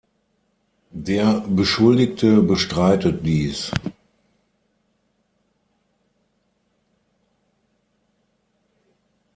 Der Beschuldigte bestreitet dies.